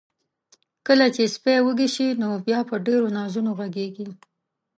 کله چې سپی وږي شي، نو بیا په ډیرو نازونو غږیږي.